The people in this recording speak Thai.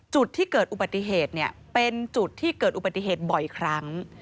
จุดที่เกิดอุบัติเหตุเนี่ยเป็นจุดที่เกิดอุบัติเหตุบ่อยครั้ง